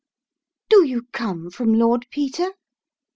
" Do you come from Lord Peter